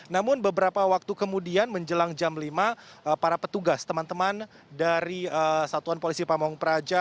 namun beberapa waktu kemudian menjelang jam lima para petugas teman teman dari satuan polisi pamung praja